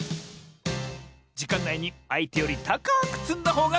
じかんないにあいてよりたかくつんだほうがかちサボよ！